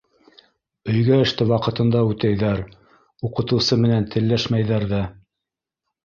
Өйгә эште ваҡытында үтәйҙәр, уҡытыусы менән телләшмәйҙәр ҙә.